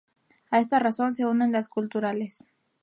A esta razón se unen las culturales.